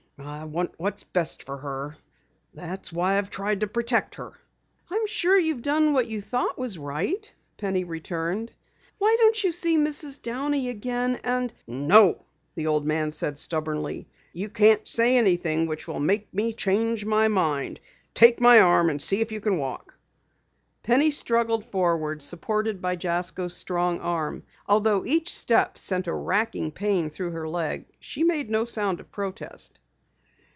"I want what's best for her. That's why I've tried to protect her." "I'm sure you've done what you thought was right," Penny returned. "Why don't you see Mrs. Downey again and " "No!" said the old man stubbornly. "You can't say anything which will make me change my mind. Take my arm and see if you can walk!" Penny struggled forward, supported by Jasko's strong arm. Although each step sent a wracking pain through her leg she made no sound of protest.